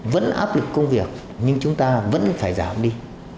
vẫn áp lực công việc nhưng chúng ta vẫn phải giảm đi